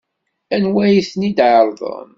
Anwa ay ten-id-iɛerḍen?